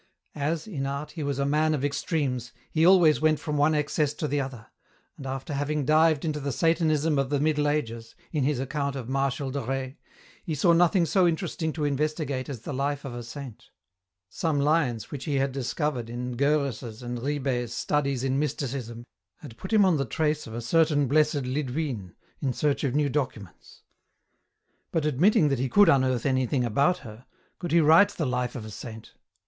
As, in art, he was a man of extremes, he always went from one excess to the other, and after having dived into the Satanism of the Middle Ages, in his account of " Marshal de Rais," he saw nothing so interesting to investigate as the life of a saint. Some lines which he had discovered in Gorres' and Ribet's " Studies in Mysticism " had put him on the trace of a certain Blessed Lidwine in search of new documents. But admitting that he could unearth anything about her, could he write the life of a saint